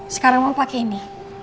sekarang mau pakai ini